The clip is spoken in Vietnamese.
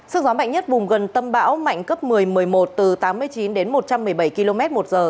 sức gió mạnh nhất vùng gần tâm bão mạnh cấp một mươi một mươi một từ tám mươi chín đến một trăm một mươi bảy km một giờ